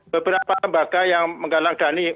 beberapa lembaga yang menggalanggani